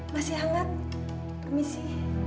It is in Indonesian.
masih hangat permisi